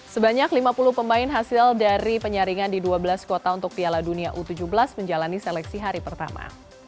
sebanyak lima puluh pemain hasil dari penyaringan di dua belas kota untuk piala dunia u tujuh belas menjalani seleksi hari pertama